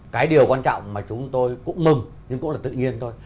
cái điều quan trọng mà chúng tôi cũng mừng nhưng cũng là tự nhiên thôi